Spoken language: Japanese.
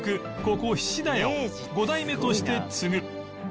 ここ菱田屋を５代目として継ぐ